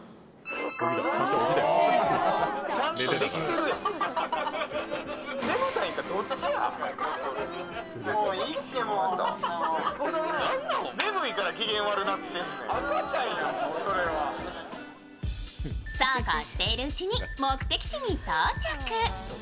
そうこうしているうちに目的地に到着。